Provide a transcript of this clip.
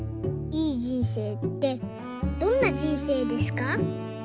いい人生ってどんな人生ですか？」。